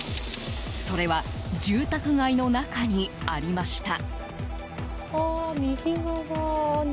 それは住宅街の中にありました。